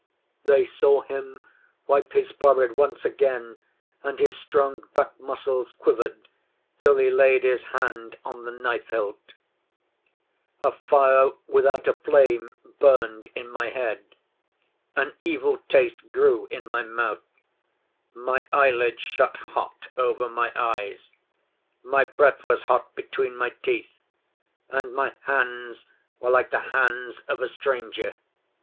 They saw him wipe his forehead once again, and his strong back muscles quivered till he laid his hand on the knife hilt. 'A fire without a flame burned in my head; an evil taste grew in my mouth; my eyelids shut hot over my eyes; my breath was hot between my teeth, and my hands were like the hands of a stranger.